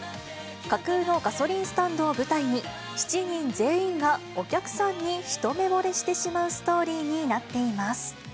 架空のガソリンスタンドを舞台に、７人全員がお客さんに一目ぼれしてしまうストーリーになっています。